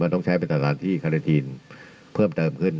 ต้องใช้เป็นสถานที่คาเรทีนเพิ่มเติมขึ้น